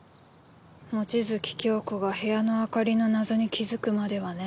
望月京子が部屋の明かりの謎に気づくまではね。